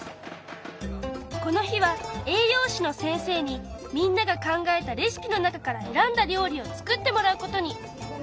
この日は栄養士の先生にみんなが考えたレシピの中から選んだ料理を作ってもらうことに！